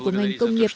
của ngành công nghiệp